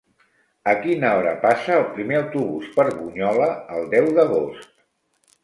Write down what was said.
A quina hora passa el primer autobús per Bunyola el deu d'agost?